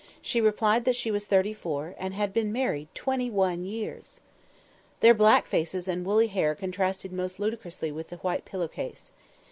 She replied that she was thirty four, and had been married twenty one years! Their black faces and woolly hair contrasted most ludicrously with the white pillow case.